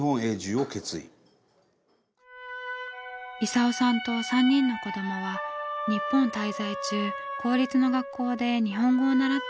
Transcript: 功さんと３人の子どもは日本滞在中公立の学校で日本語を習っていました。